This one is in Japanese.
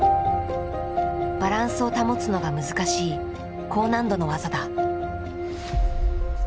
バランスを保つのが難しい高難度の技だ。